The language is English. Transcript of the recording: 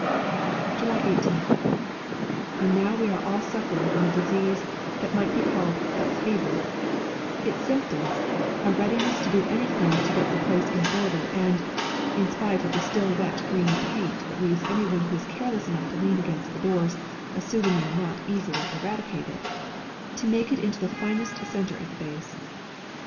July 18th. And now we are all suffering from a disease that might be called "Hut fever"; its symptoms, a readiness to do anything to get the place in order and (in spite of the still wet green paint that leaves anyone who is careless enough to lean against the doors a souvenir not easily eradicated) to make it into the finest centre at the Base.